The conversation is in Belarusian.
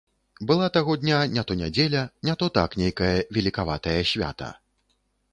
Была таго дня не то нядзеля, не то так нейкае велікаватае свята.